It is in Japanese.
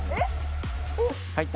入った。